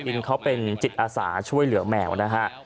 คุณทันอินเขาเป็นจิตอสาช่วยเหลือแมวนะคะ